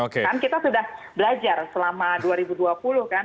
kan kita sudah belajar selama dua ribu dua puluh kan